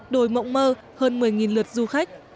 đồi mộng mơ hơn một mươi lượt du khách